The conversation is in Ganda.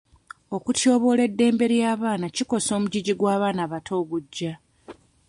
Okutyoboola eddembe ly'abaana kikosa omugigi gw'abaana abato ogujja.